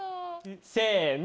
せの。